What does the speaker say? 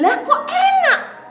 lah kok enak